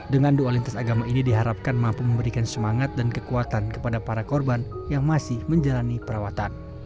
dengan doa lintas agama ini diharapkan mampu memberikan semangat dan kekuatan kepada para korban yang masih menjalani perawatan